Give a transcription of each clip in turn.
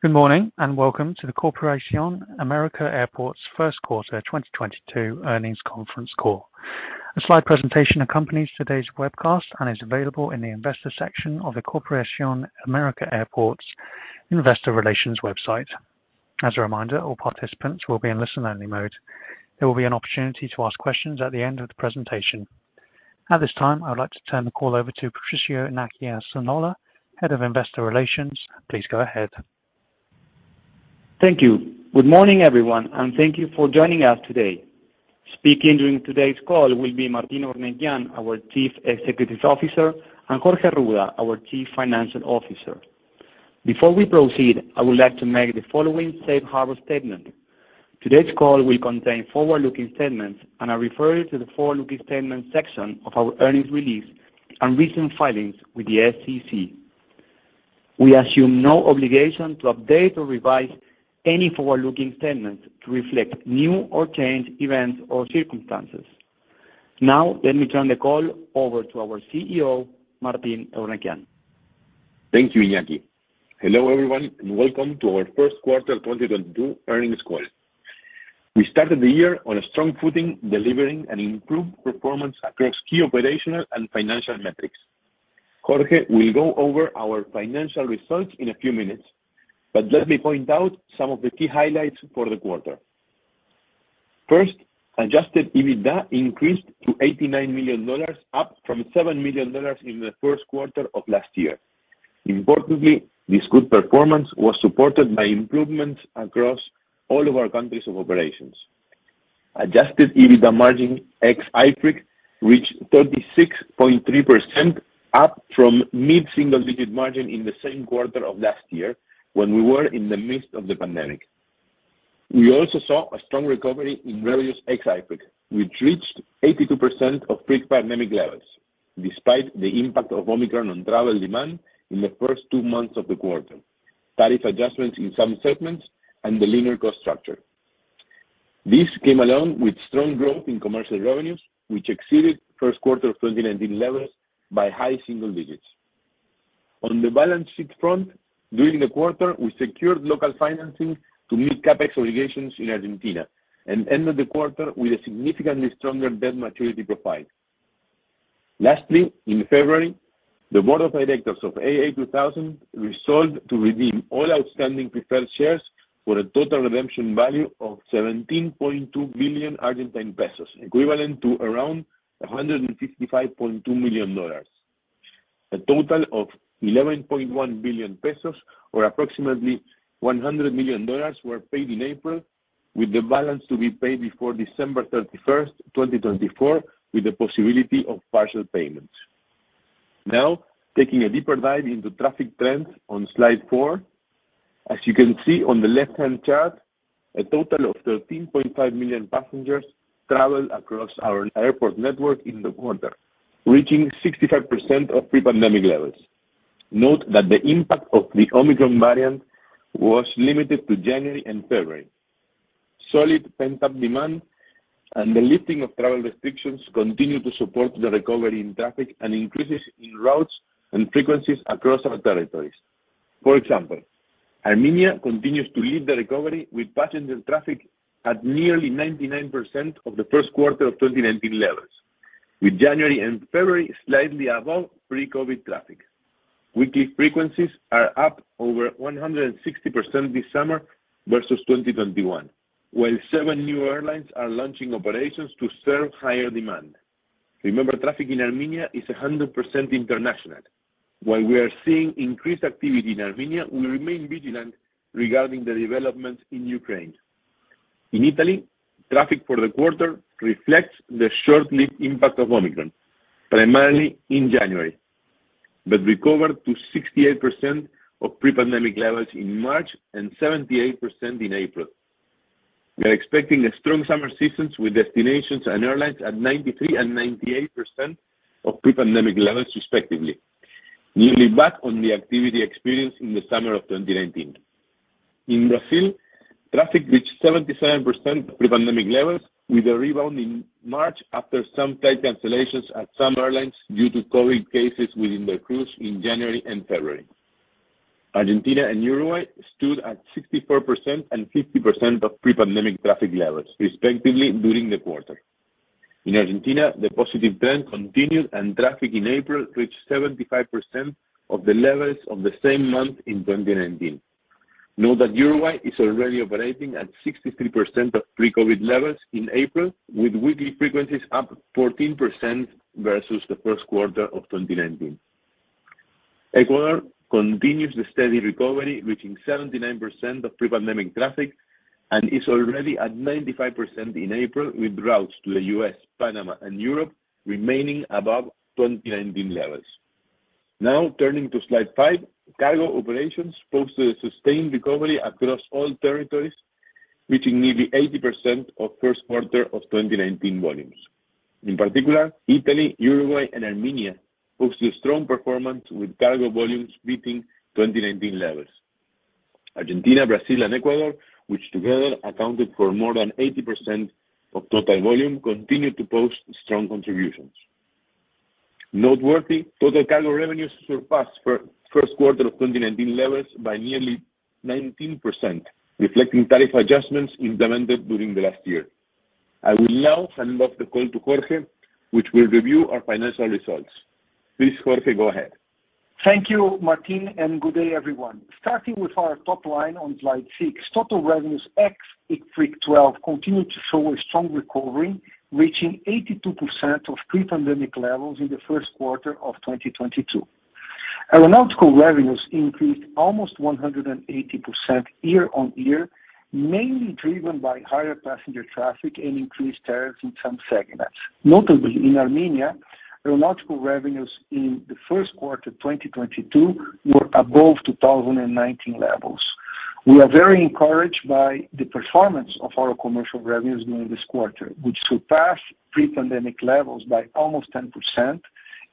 Good morning, and welcome to the Corporación América Airports first quarter 2022 earnings conference call. A slide presentation accompanies today's webcast and is available in the investor section of the Corporación América Airports investor relations website. As a reminder, all participants will be in listen only mode. There will be an opportunity to ask questions at the end of the presentation. At this time, I would like to turn the call over to Patricio Iñaki Esnaola, Head of Investor Relations. Please go ahead. Thank you. Good morning, everyone, and thank you for joining us today. Speaking during today's call will be Martín Eurnekian, our Chief Executive Officer, and Jorge Arruda, our Chief Financial Officer. Before we proceed, I would like to make the following Safe Harbor statement. Today's call will contain forward-looking statements, and I refer you to the forward-looking statements section of our earnings release and recent filings with the SEC. We assume no obligation to update or revise any forward-looking statements to reflect new or changed events or circumstances. Now, let me turn the call over to our CEO, Martín Eurnekian. Thank you, Iñaki. Hello, everyone, and welcome to our first quarter 2022 earnings call. We started the year on a strong footing, delivering an improved performance across key operational and financial metrics. Jorge will go over our financial results in a few minutes, but let me point out some of the key highlights for the quarter. First, Adjusted EBITDA increased to $89 million, up from $7 million in the first quarter of last year. Importantly, this good performance was supported by improvements across all of our countries of operations. Adjusted EBITDA margin ex-IFRIC reached 36.3%, up from mid-single-digit margin in the same quarter of last year when we were in the midst of the pandemic. We also saw a strong recovery in revenues ex-IFRIC, which reached 82% of pre-pandemic levels despite the impact of Omicron on travel demand in the first two months of the quarter, tariff adjustments in some segments, and the linear cost structure. This came along with strong growth in commercial revenues, which exceeded first quarter of 2019 levels by high single digits. On the balance sheet front, during the quarter, we secured local financing to meet CapEx obligations in Argentina and ended the quarter with a significantly stronger debt maturity profile. Lastly, in February, the board of directors of Aeropuertos Argentina 2000 resolved to redeem all outstanding preferred shares for a total redemption value of 17.2 billion Argentine pesos, equivalent to around $155.2 million. A total of 11.1 billion pesos or approximately $100 million were paid in April, with the balance to be paid before December 31st, 2024, with the possibility of partial payments. Now, taking a deeper dive into traffic trends on Slide 4. As you can see on the left-hand chart, a total of 13.5 million passengers traveled across our airport network in the quarter, reaching 65% of pre-pandemic levels. Note that the impact of the Omicron variant was limited to January and February. Solid pent-up demand and the lifting of travel restrictions continue to support the recovery in traffic and increases in routes and frequencies across our territories. For example, Armenia continues to lead the recovery with passenger traffic at nearly 99% of the first quarter of 2019 levels, with January and February slightly above pre-COVID traffic. Weekly frequencies are up over 160% this summer versus 2021, while seven new airlines are launching operations to serve higher demand. Remember, traffic in Armenia is 100% international. While we are seeing increased activity in Armenia, we remain vigilant regarding the developments in Ukraine. In Italy, traffic for the quarter reflects the short-lived impact of Omicron, primarily in January, but recovered to 68% of pre-pandemic levels in March and 78% in April. We are expecting a strong summer season with destinations and airlines at 93% and 98% of pre-pandemic levels, respectively, nearly back on the activity experienced in the summer of 2019. In Brazil, traffic reached 77% of pre-pandemic levels, with a rebound in March after some flight cancellations at some airlines due to COVID cases within their crews in January and February. Argentina and Uruguay stood at 64% and 50% of pre-pandemic traffic levels, respectively, during the quarter. In Argentina, the positive trend continued, and traffic in April reached 75% of the levels of the same month in 2019. Note that Uruguay is already operating at 63% of pre-COVID levels in April, with weekly frequencies up 14% versus the first quarter of 2019. Ecuador continues the steady recovery, reaching 79% of pre-pandemic traffic, and is already at 95% in April, with routes to the U.S., Panama, and Europe remaining above 2019 levels. Now, turning to Slide 5, cargo operations posted a sustained recovery across all territories, reaching nearly 80% of first quarter of 2019 volumes. In particular, Italy, Uruguay, and Armenia posted a strong performance, with cargo volumes beating 2019 levels. Argentina, Brazil, and Ecuador, which together accounted for more than 80% of total volume, continued to post strong contributions. Noteworthy, total cargo revenues surpassed first quarter of 2019 levels by nearly 19%, reflecting tariff adjustments implemented during the last year. I will now hand off the call to Jorge, which will review our financial results. Please, Jorge, go ahead. Thank you, Martín, and good day, everyone. Starting with our top line on Slide 6, total revenues ex-IFRIC 12 continued to show a strong recovery, reaching 82% of pre-pandemic levels in the first quarter of 2022. Aeronautical revenues increased almost 180% YoY, mainly driven by higher passenger traffic and increased tariffs in some segments. Notably, in Armenia, aeronautical revenues in the first quarter, 2022 were above 2019 levels. We are very encouraged by the performance of our commercial revenues during this quarter, which surpassed pre-pandemic levels by almost 10%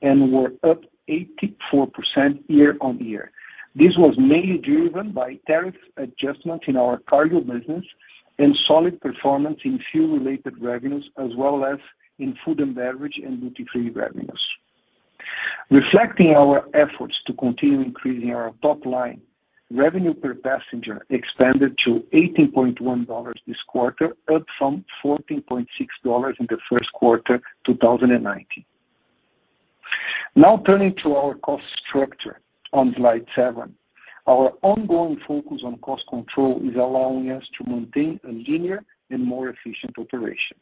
and were up 84% YoY. This was mainly driven by tariff adjustments in our cargo business and solid performance in fuel-related revenues, as well as in food and beverage and duty-free revenues. Reflecting our efforts to continue increasing our top line, revenue per passenger expanded to $18.1 this quarter, up from $14.6 in the first quarter, 2019. Now turning to our cost structure on Slide 7. Our ongoing focus on cost control is allowing us to maintain a leaner and more efficient operation.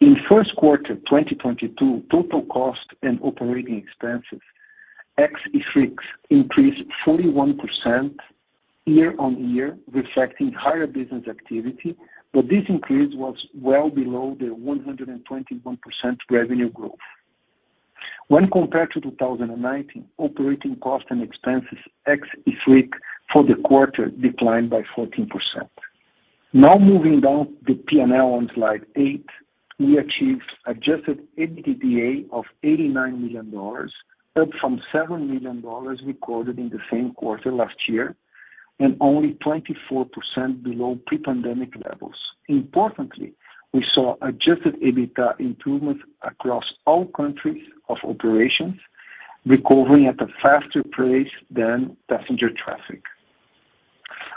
In first quarter 2022, total cost and operating expenses, ex IFRIC, increased 41% YoY, reflecting higher business activity, but this increase was well below the 121% revenue growth. When compared to 2019, operating costs and expenses, ex IFRIC, for the quarter declined by 14%. Now moving down the P&L on Slide 8, we achieved Adjusted EBITDA of $89 million, up from $7 million recorded in the same quarter last year, and only 24% below pre-pandemic levels. Importantly, we saw Adjusted EBITDA improvements across all countries of operations, recovering at a faster pace than passenger traffic.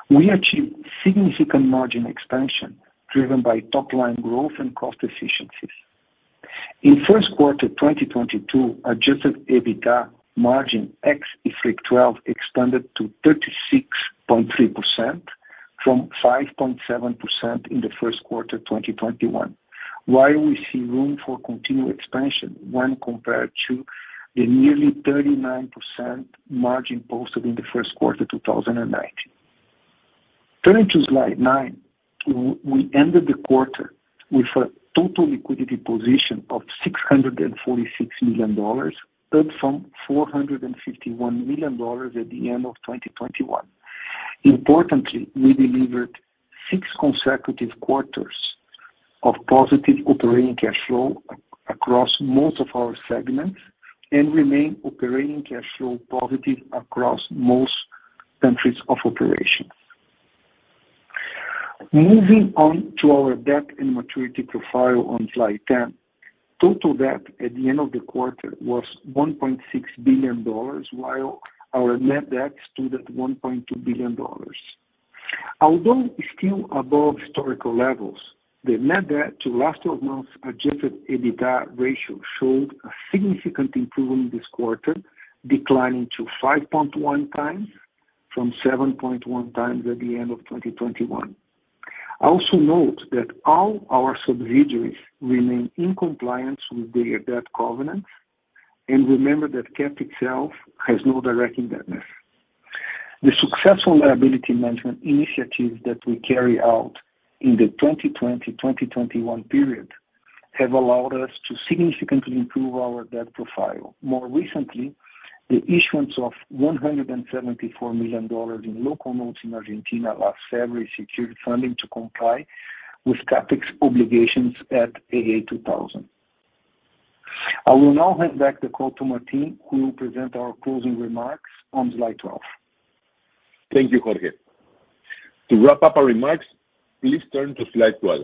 We achieved significant margin expansion driven by top-line growth and cost efficiencies. In first quarter 2022, Adjusted EBITDA margin ex-IFRIC 12 expanded to 36.3% from 5.7% in the first quarter 2021, while we see room for continued expansion when compared to the nearly 39% margin posted in the first quarter 2019. Turning to Slide 9, we ended the quarter with a total liquidity position of $646 million, up from $451 million at the end of 2021. Importantly, we delivered 6 consecutive quarters of positive operating cash flow across most of our segments and remain operating cash flow positive across most countries of operations. Moving on to our debt and maturity profile on Slide 10. Total debt at the end of the quarter was $1.6 billion, while our net debt stood at $1.2 billion. Although still above historical levels, the net debt to last twelve months Adjusted EBITDA ratio showed a significant improvement this quarter, declining to 5.1x from 7.1x at the end of 2021. Also note that all our subsidiaries remain in compliance with their debt covenants, and remember that CAAP itself has no direct indebtedness. The successful liability management initiatives that we carry out in the 2020, 2021 period have allowed us to significantly improve our debt profile. More recently, the issuance of $174 million in local notes in Argentina last February secured funding to comply with CapEx obligations at Aeropuertos Argentina 2000. I will now hand back the call to Martín, who will present our closing remarks on Slide 12. Thank you, Jorge. To wrap up our remarks, please turn to Slide 12.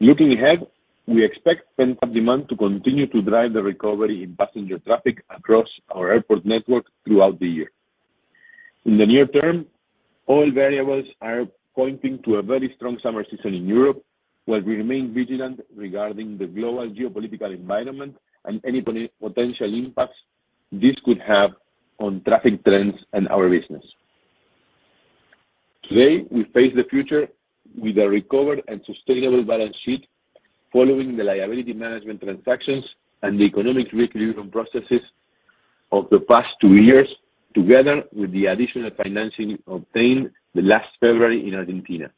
Looking ahead, we expect pent-up demand to continue to drive the recovery in passenger traffic across our airport network throughout the year. In the near term, all variables are pointing to a very strong summer season in Europe, while we remain vigilant regarding the global geopolitical environment and any potential impacts this could have on traffic trends and our business. Today, we face the future with a recovered and sustainable balance sheet following the liability management transactions and the economic re-equilibrium processes of the past two years, together with the additional financing obtained the last February in Argentina.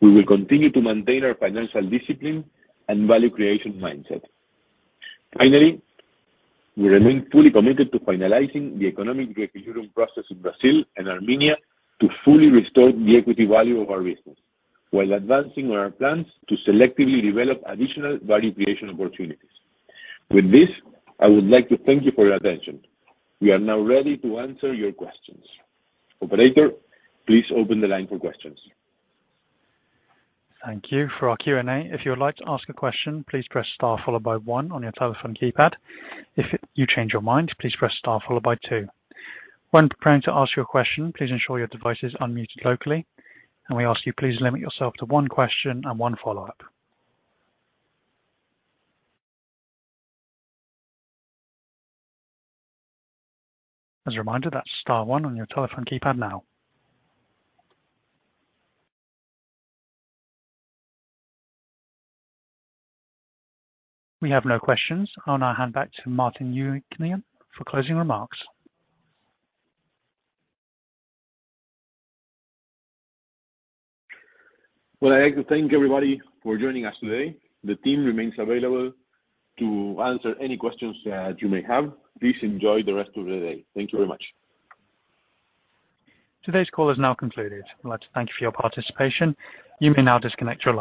We will continue to maintain our financial discipline and value creation mindset. Finally, we remain fully committed to finalizing the economic re-equilibrium process in Brazil and Armenia to fully restore the equity value of our business while advancing our plans to selectively develop additional value creation opportunities. With this, I would like to thank you for your attention. We are now ready to answer your questions. Operator, please open the line for questions. Thank you. For our Q&A, if you would like to ask a question, please press star followed by one on your telephone keypad. If you change your mind, please press star followed by two. When preparing to ask your question, please ensure your device is unmuted locally, and we ask you please limit yourself to one question and one follow-up. As a reminder, that's star one on your telephone keypad now. We have no questions. I'll now hand back to Martín Eurnekian for closing remarks. Well, I'd like to thank everybody for joining us today. The team remains available to answer any questions that you may have. Please enjoy the rest of the day. Thank you very much. Today's call is now concluded. I'd like to thank you for your participation. You may now disconnect your line.